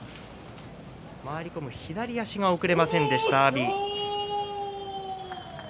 回り込む左足が送れませんでした阿炎。